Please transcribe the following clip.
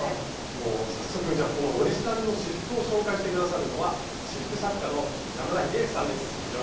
もう早速じゃあこのオリジナルの仕覆を紹介して下さるのは仕覆作家の山田英幸さんです。